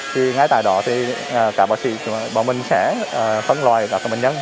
thì ngay tại đó thì các bác sĩ bọn mình sẽ phân loại các bệnh nhân